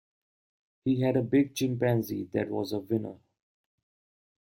He had a big chimpanzee that was a winner.